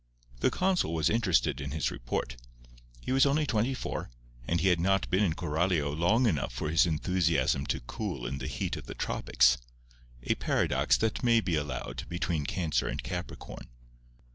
The consul was interested in his report. He was only twenty four; and he had not been in Coralio long enough for his enthusiasm to cool in the heat of the tropics—a paradox that may be allowed between Cancer and Capricorn.